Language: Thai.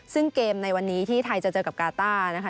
ซึ่งเกมในวันนี้ที่ไทยจะเจอกับกาต้านะคะ